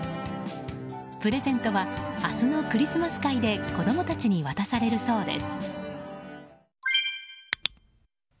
プレゼントは明日のクリスマス会で子供たちに渡されるそうです。